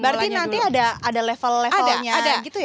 berarti nanti ada level levelnya ada gitu ya